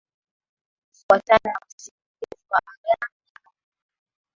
Kufuatana na masimulizi ya Agano la Kale